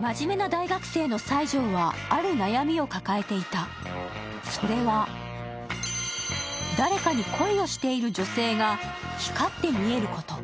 真面目な大学生の西条はある悩みを抱えていた、それは誰かに恋をしている女性が光って見えること。